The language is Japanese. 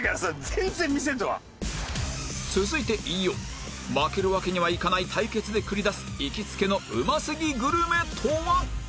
全然店とは。続いて飯尾負けるわけにはいかない対決で繰り出す行きつけのうますぎグルメとは？